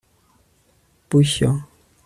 bushyo